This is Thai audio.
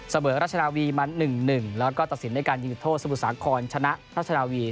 เสบิวกรัชนาวีมา๑๑แล้วก็ตัดสินยิงจุดโทษสบุษาครชนะรัชนาวี